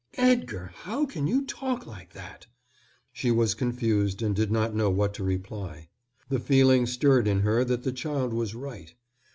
"Edgar, how can you talk like that!" She was confused and did not know what to reply. The feeling stirred in her that the child was right.